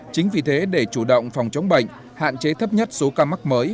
chính vì thế để chủ động phòng chống bệnh hạn chế thấp nhất số ca mắc mới